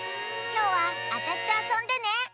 きょうはあたしとあそんでね！